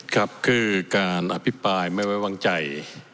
ครับคือการอภิปรายไม่ไว้วางใจ